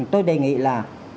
tôi đề nghị là